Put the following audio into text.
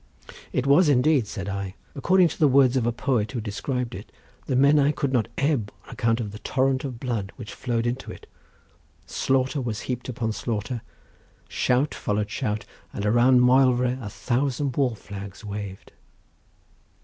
"It was, indeed," said I; "according to the words of a poet, who described it, the Menai could not ebb on account of the torrent of blood which flowed into it, slaughter was heaped upon slaughter, shout followed shout, and around Moelfre a thousand war flags waved."